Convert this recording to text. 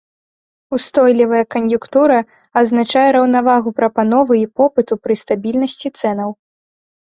Устойлівая кан'юнктура азначае раўнавагу прапановы і попыту пры стабільнасці цэнаў.